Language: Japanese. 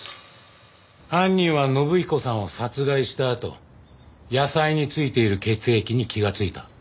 犯人は信彦さんを殺害したあと野菜に付いている血液に気がついた。